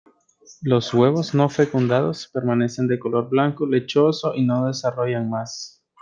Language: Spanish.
Los huevos no fecundados permanecen de color blanco lechoso y no desarrollan más.